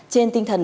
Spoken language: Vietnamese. trên tinh thần